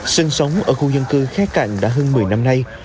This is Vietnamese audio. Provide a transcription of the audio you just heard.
sinh sống ở khu dân cư khé cạnh đã hơn một mươi năm nay